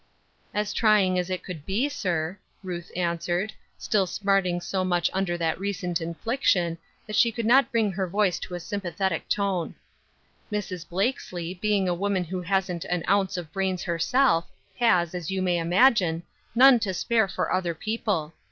" "As trying as it could be, sir," Ruth an swered, still smarting so much under that recent infliction that she could not bring her voice to a sympathetic tone. " Mrs. Blakesley, being a woman who hasn't an ounce of brains herself, has, as you may imagine, none to spare for other people.